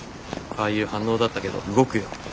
ああいう反応だったけど動くよ